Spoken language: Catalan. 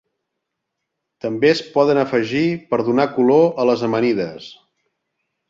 També es poden afegir per donar color a les amanides.